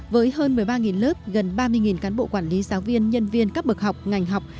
với hơn một mươi ba lớp gần ba mươi cán bộ quản lý giáo viên nhân viên các bậc học ngành học